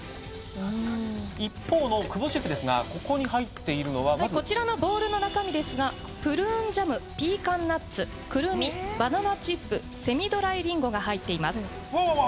確かに一方の久保シェフですがここに入っているのはまずこちらのボウルの中身ですがプルーンジャムピーカンナッツクルミバナナチップセミドライリンゴが入っていますうわうわ